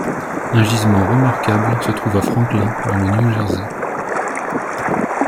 Un gisement remarquable se trouve à Franklin dans le New-Jersey.